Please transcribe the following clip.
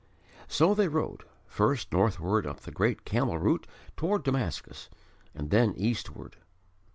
So they rode, first northward up the great camel route toward Damascus, and then eastward.